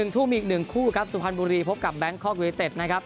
ทุ่มอีก๑คู่ครับสุพรรณบุรีพบกับแบงคอกยูนิเต็ดนะครับ